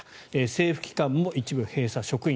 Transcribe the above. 政府機関も一部閉鎖職員